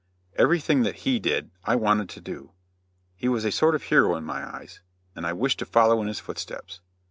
] Everything that he did, I wanted to do. He was a sort of hero in my eyes, and I wished to follow in his footsteps.